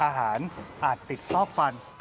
อาหารอาจติดซอกฟัน